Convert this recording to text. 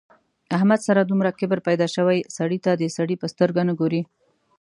احمد سره دومره کبر پیدا شوی سړي ته د سړي په سترګه نه ګوري.